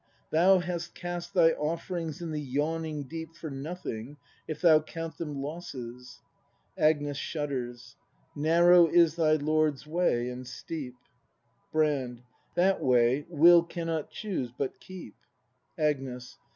Thou hast cast Thy oflFerings in the yawning deep For nothing, if thou count them losses Agnes. [Shudders.] Narrow is thy Lord's way, and steep. Brand. That way Will cannot choose but keep. 194 BRAND (act IV ACJNEB.